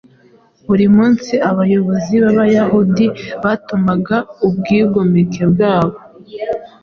buri munsi abayobozi b’Abayahudi batumaga ubwigomeke bwabo